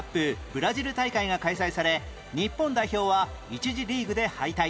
ブラジル大会が開催され日本代表は１次リーグで敗退